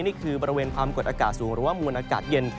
นี่คือบริเวณความกดอากาศสูงหรือว่ามวลอากาศเย็น